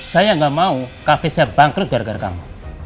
saya gak mau cafe saya bangkrut gara gara kamu